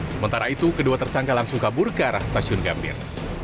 sementara itu kedua tersangka langsung kabur ke arah stasiun gambir